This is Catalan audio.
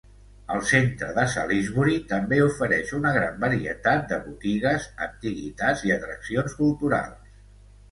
El centre de Salisbury també ofereix una gran varietat de botigues, antiguitats i atraccions culturals.